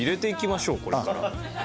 これから。